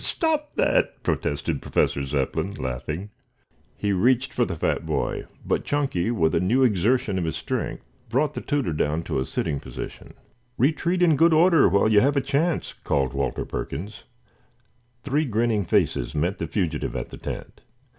"Here, stop that!" protested Professor Zepplin, laughing. He reached for the fat boy, but Chunky, with a new exertion of his strength, brought the tutor down to a sitting position. "Retreat in good order, while you have a chance!" called Walter Perkins. Three grinning faces met the fugitive at the tent.